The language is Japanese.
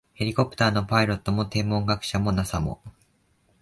ヘリコプターのパイロットも、天文学者も、ＮＡＳＡ も、